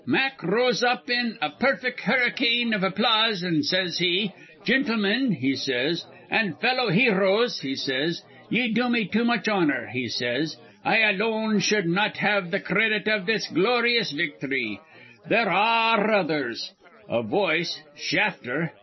Mack r rose up in a perfect hurcane iv applause, an' says he, 'Gintlemen,' he says, 'an' fellow heroes,' he says, 'ye do me too much honor;' he says. 'I alone shud not have th' credit iv this gloryous victhry. They ar re others.' [A voice: 'Shafter.'